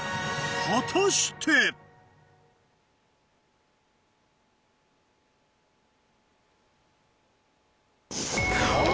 果たして⁉お！